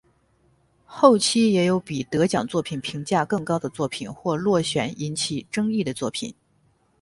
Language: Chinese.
后期也有比得奖作品评价更高的作品或落选引起争议的作品。